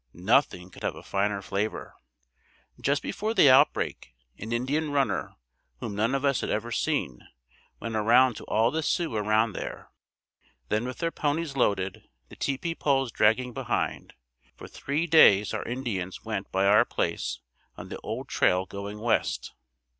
Nothing could have a finer flavor. Just before the outbreak, an Indian runner, whom none of us had ever seen, went around to all the Sioux around there. Then with their ponies loaded, the tepee poles dragging behind, for three days our Indians went by our place on the old trail going west.